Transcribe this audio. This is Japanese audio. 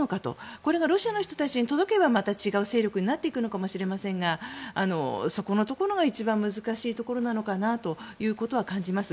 これがロシアの人たちに届けばまた違う勢力になっていくのかもしれませんがそこのところが一番難しいところなのかなというのは感じます。